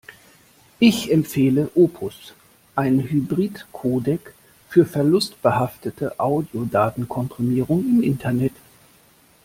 Ich empfehle Opus, einen Hybridcodec, für verlustbehaftete Audiodatenkomprimierung im Internet.